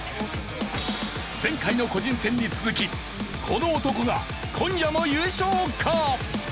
前回の個人戦に続きこの男が今夜も優勝か？